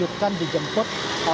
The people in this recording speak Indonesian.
ada lebih dari dua puluh presentasinya